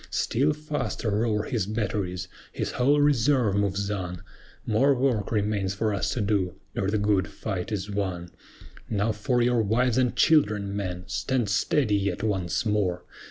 Still faster roar his batteries, his whole reserve moves on; More work remains for us to do, ere the good fight is won. Now for your wives and children, men! Stand steady yet once more!